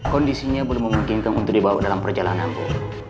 kondisinya belum memungkinkan untuk dibawa dalam perjalanan bu